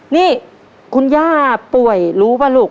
นี่คุณย่าป่วยรู้ป่ะลูก